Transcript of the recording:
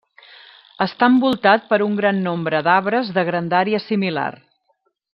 Està envoltat per un gran nombre d'arbres de grandària similar.